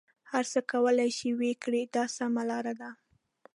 هر څه کولای شې ویې کړه دا سمه لاره ده.